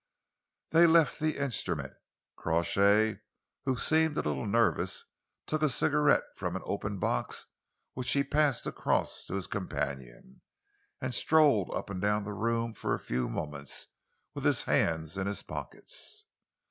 They left the instrument. Crawshay, who seemed a little nervous, took a cigarette from an open box which he passed across to his companion, and strolled up and down the room for a few moments with his hands in his pockets.